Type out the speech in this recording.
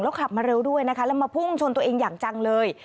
ขับมาเร็วด้วยนะคะแล้วมาพุ่งชนตัวเองอย่างจังเลย